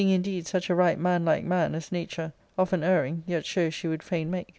indeed such a right man like man as Nature, often erring, ^ yet shows she would fain make.